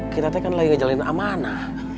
kita tadi kan lagi ngejalanin ke mana